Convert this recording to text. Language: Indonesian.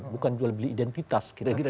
bukan jual beli identitas kira kira